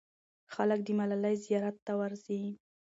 خلک د ملالۍ زیارت ته ورځي.